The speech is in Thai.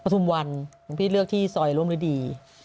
ประทุมวันพี่เลือกที่ซอยร่วมริดี